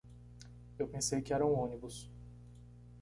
Eu pensei que era um ônibus.